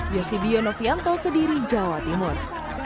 yosibio novianto kediri jawa timur